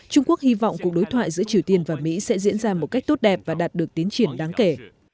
trung quốc hy vọng cuộc đối thoại giữa triều tiên và mỹ sẽ diễn ra một cách tốt đẹp và đạt được tiến triển đáng kể